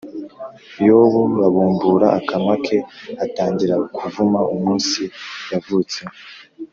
Yobu abumbura akanwa ke atangira kuvuma umunsi yavutseho